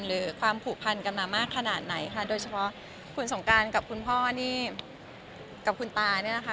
หรือความผูกพันกันมามากขนาดไหนค่ะโดยเฉพาะคุณสงการกับคุณพ่อนี่กับคุณตาเนี่ยนะคะ